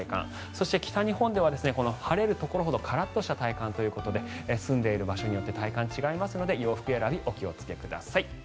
そして北日本では晴れるところほどカラッとした体感ということで住んでいる場所によって体感が違いますので洋服選びお気をつけください。